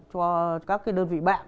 cho các cái đơn vị bạn